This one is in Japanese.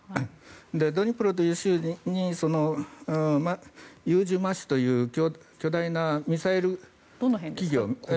ドニプロという州にユージュマシュという巨大なミサイル企業。